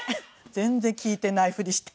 全然聞いていないふりして。